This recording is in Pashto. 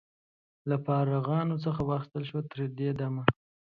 له فارغانو څخه واخیستل شوه. تر دې دمه